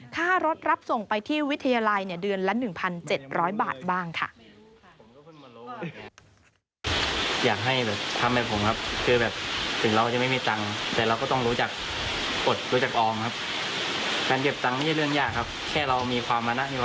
ค่ารถรับส่งไปที่วิทยาลัยเดือนละ๑๗๐๐บาทบ้างค่ะ